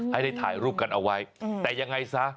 ให้ได้ถ่ายรูปกันเอาไว้แต่ยังไงซะ